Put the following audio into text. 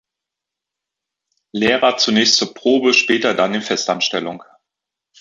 Lehrer zunächst zur Probe, später dann in Festanstellung.